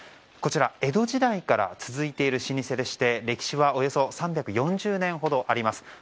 こちら江戸時代から続いている老舗で歴史はおよそ３４０年ほどあります。